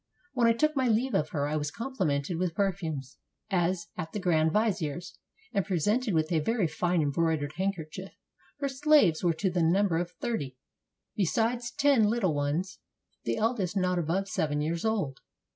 When I took my leave of her, I was com plimented with perfumes, as at the grand vizier's, and presented with a very fine embroidered handkerchief. Her slaves were to the number of thirty, besides ten little ones, the eldest not above seven years old.